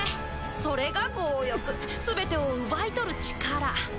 それが強欲すべてを奪い取る力。